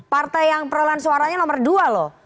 partai yang perolahan suaranya nomor dua loh